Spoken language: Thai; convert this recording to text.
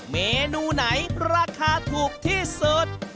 เมนูไหนราคาถูกที่สุด